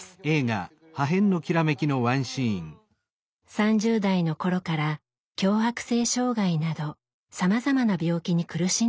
３０代の頃から強迫性障害などさまざまな病気に苦しんできました。